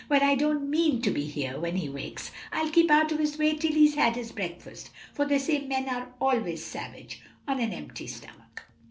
"Well, I don't mean to be here when he wakes; I'll keep out of his way till he's had his breakfast; for they say men are always savage on an empty stomach."